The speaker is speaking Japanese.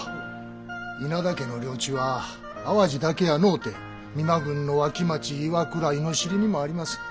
稲田家の領地は淡路だけやのうて美馬郡の脇町岩倉猪尻にもあります。